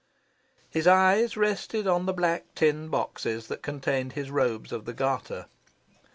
His eyes rested on the black tin boxes that contained his robes of the Garter.